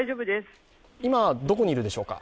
今、どこにいるでしょうか